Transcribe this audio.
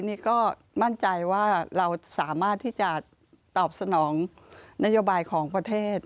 นี่ก็มั่นใจว่าเราสามารถที่จะตอบสนองนโยบายของประเทศ